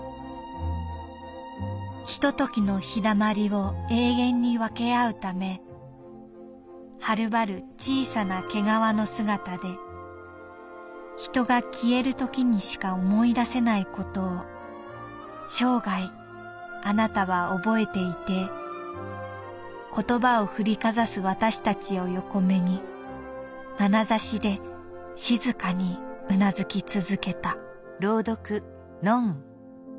「ひと時の陽だまりを永遠にわけ合うためはるばるちいさな毛皮の姿でひとが消えるときにしか思い出せないことを生涯あなたはおぼえていて言葉を振りかざすわたしたちを横目にまなざしでしずかに頷きつづけた」。